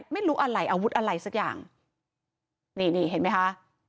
ไม่รู้อะไรอาวุธอะไรสักอย่างนี่นี่เห็นไหมคะ